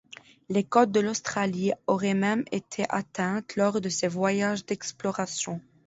Les côtes de l'Australie auraient même été atteintes lors de ces voyages d'exploration.